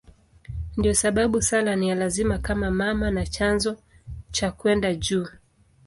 Ndiyo sababu sala ni ya lazima kama mama na chanzo cha kwenda juu.